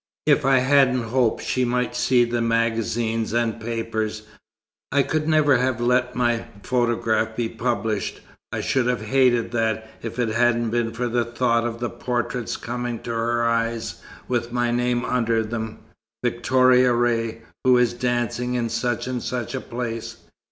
If I hadn't hoped she might see the magazines and papers, I could never have let my photograph be published. I should have hated that, if it hadn't been for the thought of the portraits coming to her eyes, with my name under them; 'Victoria Ray, who is dancing in such and such a place.'